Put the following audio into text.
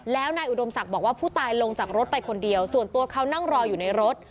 แล้วนายอุดมศักดิ์บอกว่าผู้ตายลงจากรถไปคนเดียวส่วนตัวเขานั่งรออยู่ในรถ